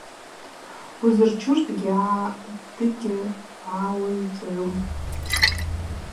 Узырчуш дыгьгӏауцӏгӏум.